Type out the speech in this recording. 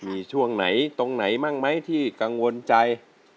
มีช่วงไหนตรงไหนบ้างไหมที่กังวลใจ